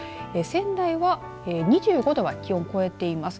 仙台は２５度は気温超えています。